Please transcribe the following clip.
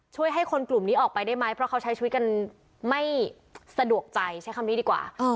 ให้คนกลุ่มนี้ออกไปได้ไหมเพราะเขาใช้ชีวิตกันไม่สะดวกใจใช้คำนี้ดีกว่า